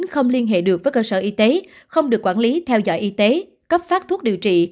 không liên hệ được với cơ sở y tế không được quản lý theo dõi y tế cấp phát thuốc điều trị